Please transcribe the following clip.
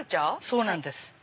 そうなんです。